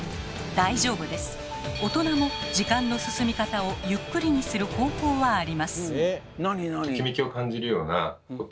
大人も時間の進み方をゆっくりにする方法はあります。